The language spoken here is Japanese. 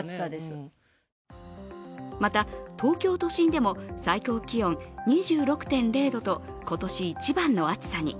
また、東京都心でも最高気温２６．０度と今年一番の暑さに。